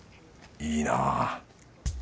いいなぁ。